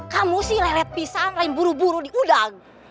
kamu sih lelet pisang lein buru buru di udang